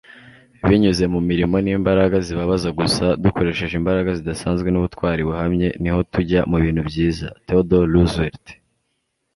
binyuze mu mirimo n'imbaraga zibabaza gusa, dukoresheje imbaraga zidasanzwe n'ubutwari buhamye, niho tujya mu bintu byiza - theodore roosevelt